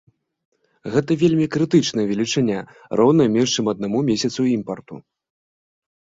Гэта вельмі крытычная велічыня, роўная менш чым аднаму месяцу імпарту.